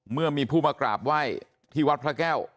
เมื่อมีผู้มากราบไหว้ที่วัดพระแก้ว